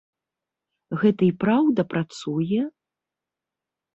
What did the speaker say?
Гэта і праўда працуе?